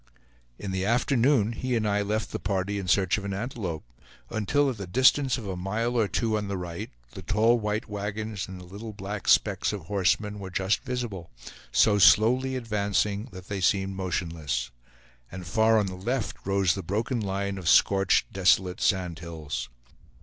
In the afternoon he and I left the party in search of an antelope; until at the distance of a mile or two on the right, the tall white wagons and the little black specks of horsemen were just visible, so slowly advancing that they seemed motionless; and far on the left rose the broken line of scorched, desolate sand hills.